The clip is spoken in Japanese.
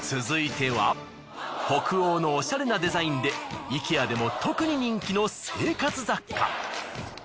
続いては北欧のオシャレなデザインでイケアでも特に人気の生活雑貨。